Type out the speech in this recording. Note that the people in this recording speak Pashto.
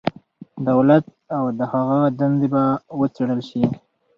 دولت او د هغه دندې به وڅېړل شي.